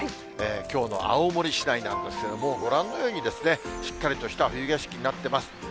きょうの青森市内なんですけれども、ご覧のようにしっかりとした冬景色になっています。